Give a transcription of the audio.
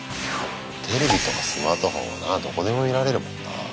テレビとかスマートフォンはなどこでも見られるもんな。